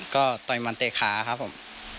ก็ต่อยมันเตะขาครับผม